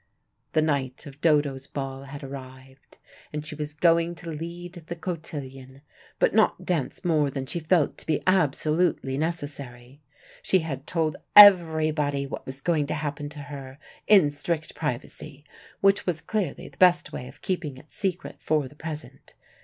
The night of Dodo's ball had arrived, and she was going to lead the cotillion, but not dance more than she felt to be absolutely necessary. She had told everybody what was going to happen to her, in strict privacy, which was clearly the best way of keeping it secret for the present.